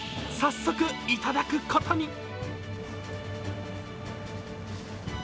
早速、いただくことに。